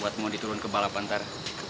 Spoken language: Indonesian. buat moni turun ke balapan ntar